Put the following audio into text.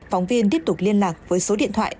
phóng viên tiếp tục liên lạc với số điện thoại